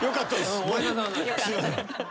すいません。